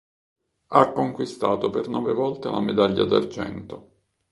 Ha conquistato per nove volte la medaglia d'argento.